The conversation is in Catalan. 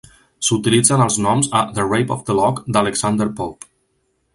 S'utilitzen els gnoms a "The Rape of the Lock" d'Alexander Pope.